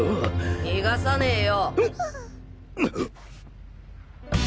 逃がさねえよ！